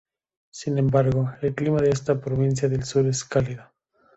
Sin embargo, el clima de esta provincia del sur es cálido.